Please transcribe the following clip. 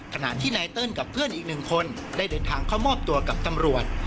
ขณะที่นายเติ้ลกับเพื่อนอีกหนึ่งคนได้เดินทางเข้ามอบตัวกับตำรวจ